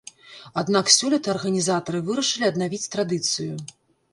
Аднак сёлета арганізатары вырашылі аднавіць традыцыю.